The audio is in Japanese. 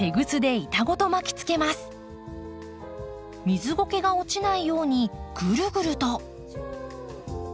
水ごけが落ちないようにぐるぐると。